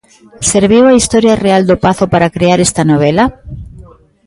Serviu a historia real do pazo para crear esta novela?